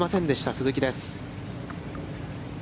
鈴木です。